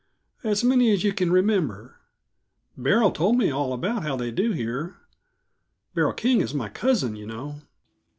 "As many as you can remember. Beryl told me all about how they do here; Beryl King is my cousin, you know."